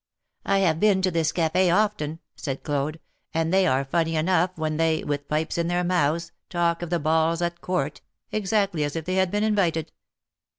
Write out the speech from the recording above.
I have been to this caf6 often," said Claude, and they are funny enough when they, with pipes in their mouths, talk of the balls at Court, exactly as if they had been invited."